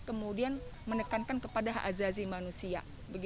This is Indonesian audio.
kemudian menekankan kepada hak azazi manusia